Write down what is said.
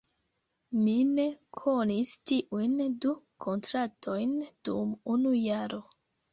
Mi ne konis tiujn du kontraktojn dum unu jaro.